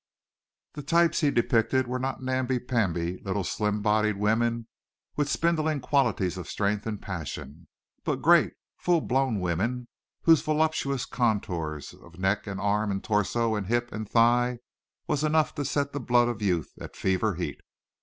The types he depicted were not namby pamby little slim bodied women with spindling qualities of strength and passion, but great, full blown women whose voluptuous contour of neck and arms and torso and hip and thigh was enough to set the blood of youth at fever heat.